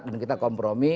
dan kita kompromi